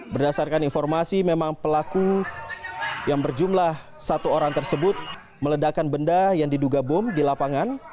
berdasarkan informasi memang pelaku yang berjumlah satu orang tersebut meledakan benda yang diduga bom di lapangan